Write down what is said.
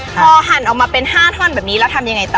พอหั่นออกมาเป็น๕ท่อนแบบนี้แล้วทำยังไงต่อ